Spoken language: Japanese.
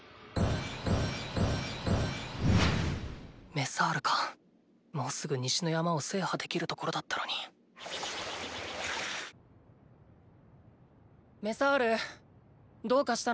メサールかもうすぐ西の山を制覇できるところだったのにメサールどうかしたの？